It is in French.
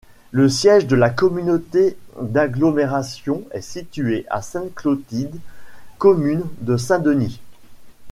Le siège de la communauté d'agglomération est situé à Sainte-Clotilde, commune de Saint-Denis.